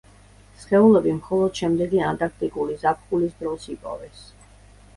სხეულები მხოლოდ შემდეგი ანტარქტიკული ზაფხულის დროს იპოვეს.